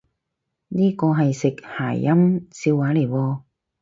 呢個係食諧音笑話嚟喎？